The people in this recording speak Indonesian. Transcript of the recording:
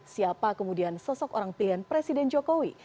siapa kemudian sosok orang pilihan presiden jokowi